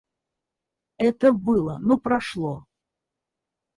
Это было, но прошло.